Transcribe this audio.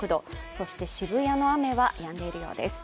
そして渋谷の雨はやんでいるようです。